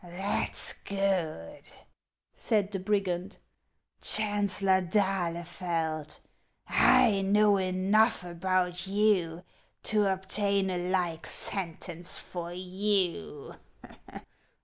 " That 's good," said the brigand. " Chancellor d'Alile feld, I know enough about you to obtain a like sentence for you.